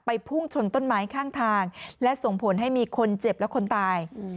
พุ่งชนต้นไม้ข้างทางและส่งผลให้มีคนเจ็บและคนตาย